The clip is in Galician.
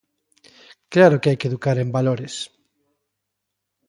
Claro que hai que educar en valores.